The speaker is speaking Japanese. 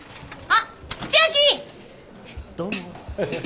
あっ。